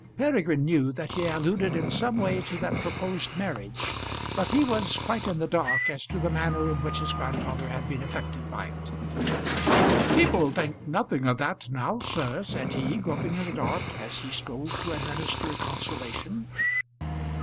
Peregrine knew that he alluded in some way to that proposed marriage, but he was quite in the dark as to the manner in which his grandfather had been affected by it. "People think nothing of that now, sir," said he, groping in the dark as he strove to administer consolation.